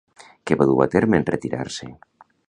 Què va dur a terme en retirar-se?